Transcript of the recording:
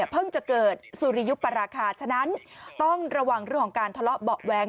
จะเกิดสุริยุปราคาฉะนั้นต้องระวังเรื่องของการทะเลาะเบาะแว้ง